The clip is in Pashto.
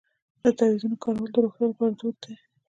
د تعویذونو کارول د روغتیا لپاره دود دی.